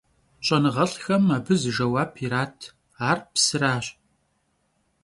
Ş'enığelh'xem abı zı jjeuap yirat, ar psıraş.